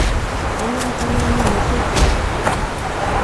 iman ononii misiing sikiik chuu